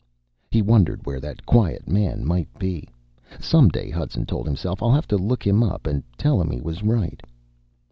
He wondered where that quiet man might be. Some day, Hudson told himself, I'll have to look him up and tell him he was right.